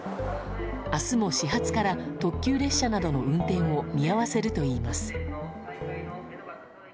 明日も始発から特急列車などの運転を見合わせるといいます。